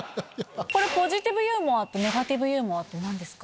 「ポジティブユーモア」と「ネガティブユーモア」って何ですか？